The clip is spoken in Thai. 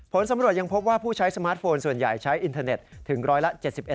ผลสำรวจยังพบว่าผู้ใช้สมาร์ทโฟนส่วนใหญ่ใช้อินเทอร์เน็ตถึงร้อยละ๗๑